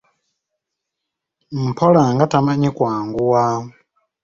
Mpola nga tamanyi kwanguwa.